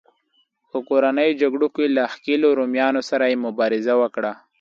په کورنیو جګړو کې له ښکېلو رومیانو سره یې مبارزه وکړه